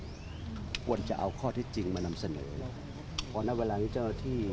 ก็ควรจะเอาข้อที่จริงมานำเสนอเพราะณเวลานี้เจ้าที่